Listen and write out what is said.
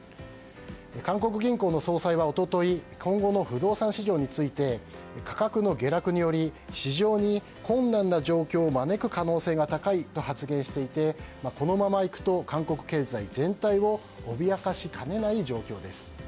韓国銀行の総裁は一昨日今後の不動産市場について価格の下落により市場に困難な状況を招く可能性が高いと発言していてこのままいくと韓国経済全体を脅かしかねない状態です。